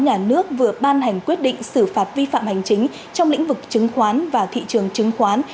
nhà nước vừa ban hành quyết định xử phạt vi phạm hành chính trong lĩnh vực chứng khoán và thị trường chứng khoán